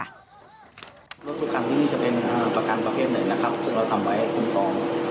รถทุกคันที่นี่จะเป็นประกันประเภทหนึ่งที่เราทำไว้คุ้มปลอม